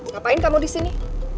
ngapain kamu disini